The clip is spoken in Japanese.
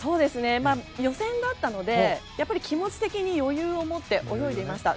予選だったので気持ち的に余裕を持って泳いでいました。